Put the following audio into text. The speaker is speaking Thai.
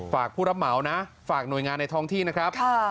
ผู้รับเหมานะฝากหน่วยงานในท้องที่นะครับ